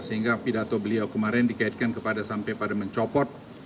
sehingga pidato beliau kemarin dikaitkan kepada sampai pada mencopot